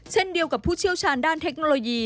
เช่นเดียวกับผู้เชี่ยวชาญด้านเทคโนโลยี